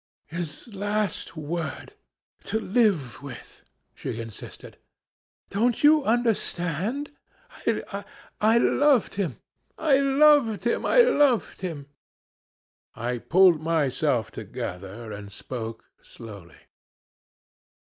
"'His last word to live with,' she murmured. 'Don't you understand I loved him I loved him I loved him!' "I pulled myself together and spoke slowly.